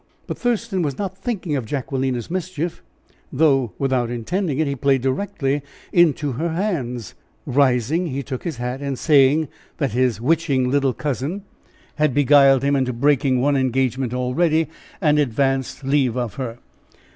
But Thurston was not thinking of Jacquelina's mischief, though without intending it he played directly into her hands. Rising he took his hat, and saying that his witching little cousin had beguiled him into breaking one engagement already, advanced to take leave of her.